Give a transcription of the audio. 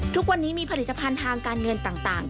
ทุกวันนี้มีผลิตภัณฑ์ทางการเงินต่าง